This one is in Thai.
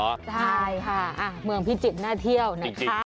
ใช่ค่ะเมืองพิจิตรน่าเที่ยวนะคะ